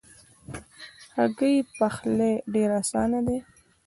هګۍ پخلی ډېر آسانه دی.